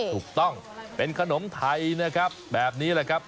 ถูกต้องเป็นขนมไทยนะครับแบบนี้แหละครับ